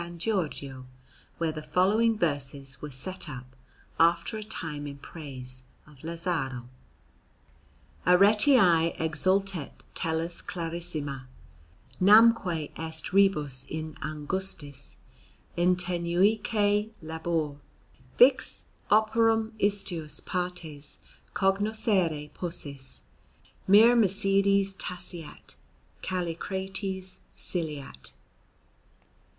Giorgio, where the following verses were set up after a time in praise of Lazzaro: ARETII EXULTET TELLUS CLARISSIMA; NAMQUE EST REBUS IN ANGUSTIS, IN TENUIQUE LABOR. VIX OPERUM ISTIUS PARTES COGNOSCERE POSSIS: MYRMECIDES TACEAT; CALLICRATES SILEAT.